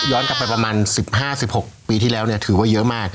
ย้อนกลับไปประมาณสิบห้าสิบหกปีที่แล้วเนี่ยถือว่าเยอะมาก